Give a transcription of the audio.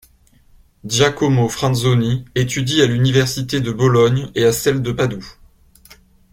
Giacomo Franzoni étudie à l'université de Bologne et à celle de Padoue.